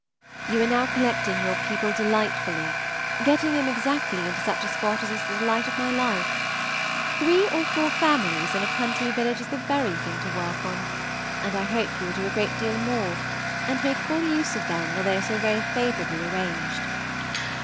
You are now collecting your people delightfully, getting them exactly into such a spot as is the delight of my life. Three or four families in a country village is the very thing to work on, and I hope you will do a great deal more, and make full use of them while they are so very favorably arranged.